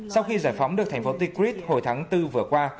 sau khi giải phóng được thành phố tikrid hồi tháng bốn vừa qua